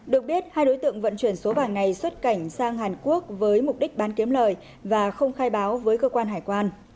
được biết hai đối tượng vận chuyển số vàng này xuất cảnh sang hàn quốc với mục đích bán kiếm lời và không khai báo với cơ quan hải quan